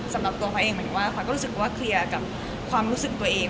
สำหรับตัวเขาเองหมายถึงว่าพลอยก็รู้สึกว่าเคลียร์กับความรู้สึกตัวเอง